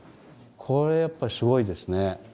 これやっぱすごいですね。